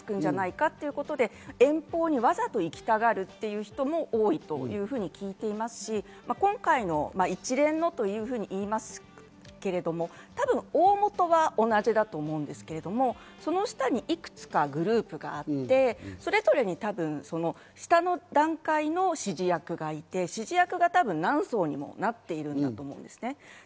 地元で何か犯罪を犯すと、すぐに足がつくんじゃないかということで遠方にわざと行きたがるという人も多いというふうに聞いていますし、今回の一連のというふうに言いますけれども、多分、大元は同じだと思うんですけど、その下にいくつかグループがあって、それぞれに多分、下の段階の指示役がいて、指示役が何層にもなっているんだと思います。